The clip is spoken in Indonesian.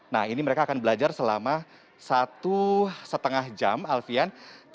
nah ini mereka akan belajar selama satu lima jam alfian